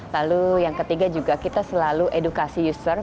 lalu yang ketiga juga kita selalu edukasi user